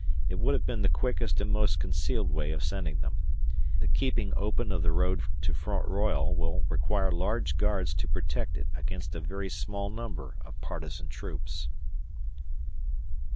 It would have been the quickest and most concealed way of sending them. The keeping open of the road to Front Royal will require large guards to protect it against a very small number of partisan troops.